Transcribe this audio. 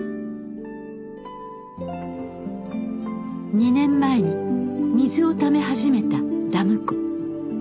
２年前に水をため始めたダム湖。